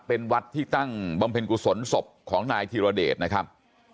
เป็นวัดที่ตั้งบำเพ็ญกุศลศพของนายธิรเดชนะครับ